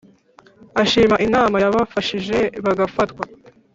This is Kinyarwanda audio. ashima imana yabafashije bagafatwa